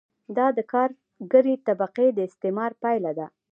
دا د کارګرې طبقې د استثمار پایله ده